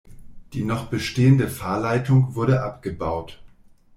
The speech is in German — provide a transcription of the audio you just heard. Die noch bestehende Fahrleitung wurde abgebaut.